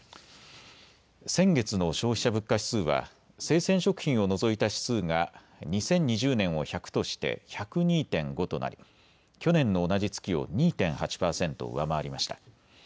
先月の消費者物価指数は生鮮食品を除いた指数が２０２０年を１００として１０２．５となり去年の同じ月を２．８％上回りました。